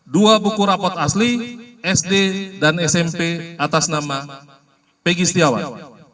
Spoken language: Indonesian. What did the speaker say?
dua buku raport asli sd dan smp atas nama pegi setiawan